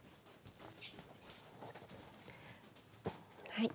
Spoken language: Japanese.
はい。